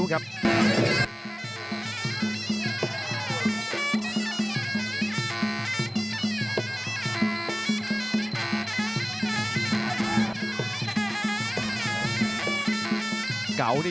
และแพ้๒๐ไฟ